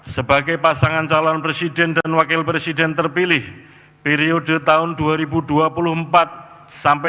sebagai pasangan calon presiden dan wakil presiden terpilih periode tahun dua ribu dua puluh empat sampai dua ribu dua puluh